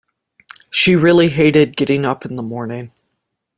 She really hated getting up in the morning